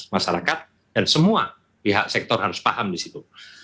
masyarakat dan semua pihak sektor harus paham disitu